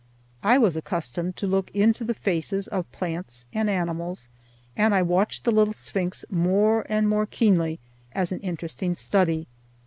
I was accustomed to look into the faces of plants and animals, and I watched the little sphinx more and more keenly as an interesting study.